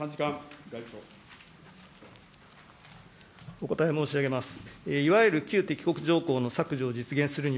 お答え申し上げます。